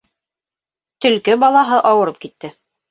Төлкө балаһы ауырып китте.